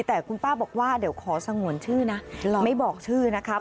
แต่คุณป้าบอกว่าเดี๋ยวขอสงวนชื่อนะไม่บอกชื่อนะครับ